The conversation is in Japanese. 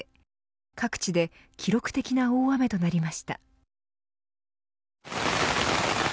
各地で記録的な大雨となりました。